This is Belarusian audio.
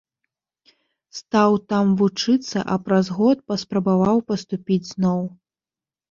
Стаў там вучыцца, а праз год паспрабаваў паступіць зноў.